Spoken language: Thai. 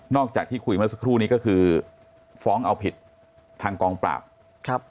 จากที่คุยเมื่อสักครู่นี้ก็คือฟ้องเอาผิดทางกองปราบครับ